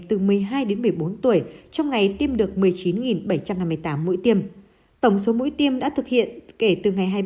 từ một mươi hai đến một mươi bốn tuổi trong ngày tiêm được một mươi chín bảy trăm năm mươi tám mũi tiêm tổng số mũi tiêm đã thực hiện kể từ ngày hai mươi ba